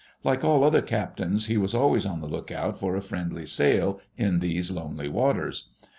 Like all other captains, he was always on the lookout for a friendly sail in those lonely waters.